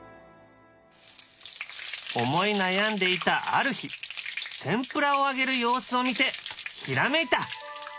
思い悩んでいたある日天ぷらを揚げる様子を見てひらめいた。